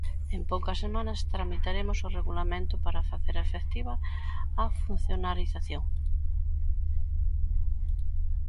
En poucas semanas, tramitaremos o regulamento para facer efectiva a funcionarización.